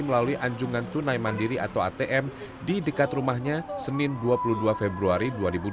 melalui anjungan tunai mandiri atau atm di dekat rumahnya senin dua puluh dua februari dua ribu dua puluh